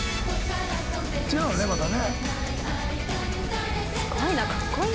違うよねまたね。